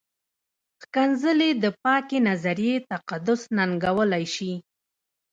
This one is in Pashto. ښکنځلې د پاکې نظریې تقدس ننګولی شي.